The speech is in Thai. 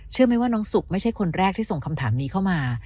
ไหมว่าน้องสุกไม่ใช่คนแรกที่ส่งคำถามนี้เข้ามา